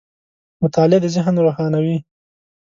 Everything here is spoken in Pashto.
• مطالعه د ذهن روښانوي.